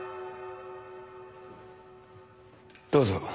どうぞ。